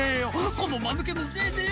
このマヌケのせいでよ